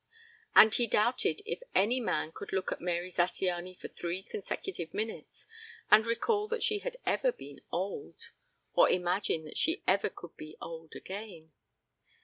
And he doubted if any man could look at Mary Zattiany for three consecutive minutes and recall that she had ever been old, or imagine that she ever could be old again.